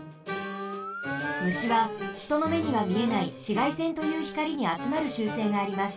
むしはひとのめにはみえないしがいせんというひかりにあつまるしゅうせいがあります。